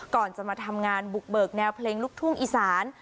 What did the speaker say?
ก่อนจะมาทำงานบุกเบิกแนวเพลงลูกทุ่งอีสาน